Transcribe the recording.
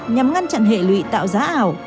nhằm ngăn chặn hệ lụy tạo giá ảo